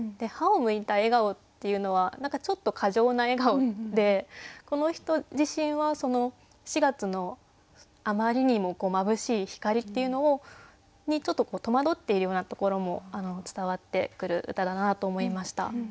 「歯を剥いた笑顔」っていうのは何かちょっと過剰な笑顔でこの人自身はその四月のあまりにもまぶしい光っていうのにちょっと戸惑っているようなところも伝わってくる歌だなと思いました。